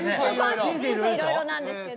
「人生いろいろ」なんですけど。